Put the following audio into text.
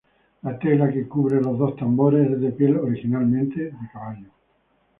La tela que cubre los dos tambores, es de piel, originalmente de caballo.